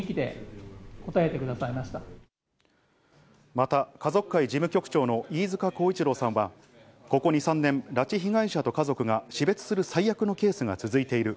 また家族会事務局長の飯塚耕一郎さんは、ここ２３年、拉致被害者と家族が死別する最悪のケースが続いている。